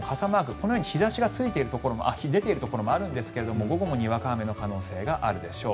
このように日差しが出ているところもあるんですが午後もにわか雨の可能性があるでしょう。